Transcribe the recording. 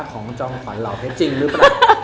ของจ้อมขวัญเราเห็นจริงหรือเปล่า